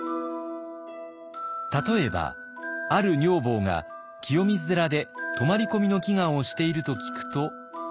例えばある女房が清水寺で泊まり込みの祈願をしていると聞くと。